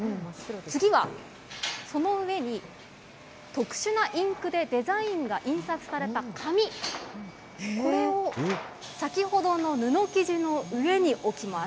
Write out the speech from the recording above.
次は、その上に、特殊なインクでデザインが印刷された紙、これを先ほどの布生地の上に置きます。